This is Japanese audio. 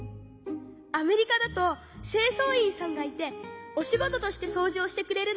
アメリカだとせいそういんさんがいておしごととしてそうじをしてくれるの。